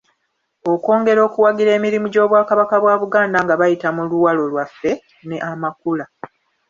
Okwongera okuwagira emirimu gy'Obwakabaka bwa Buganda nga bayita mu ‘Luwalo Lwaffe' ne ‘Amakula.'